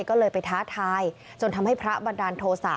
ก็เลยไปท้าทายจนทำให้พระบันดาลโทษะ